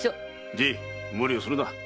じい無理をするな。